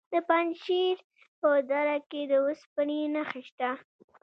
د پنجشیر په دره کې د اوسپنې نښې شته.